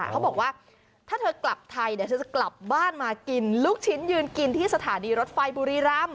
เขาบอกว่าถ้าเธอกลับไทยเดี๋ยวฉันจะกลับบ้านมากินลูกชิ้นยืนกินที่สถานีรถไฟบุรีรำ